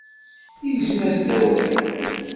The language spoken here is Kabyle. Igzem-as-d awal.